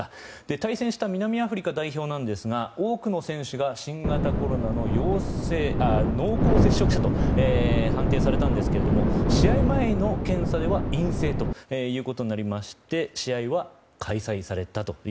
対戦した南アフリカ代表ですが多くの選手が新型コロナの濃厚接触者と判定されたんですけど試合前の検査では陰性ということになりまして試合は開催されました。